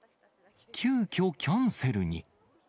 急きょキャンセルに。